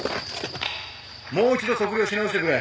もう一度測量し直してくれ。